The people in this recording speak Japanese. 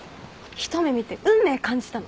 一目見て運命感じたの。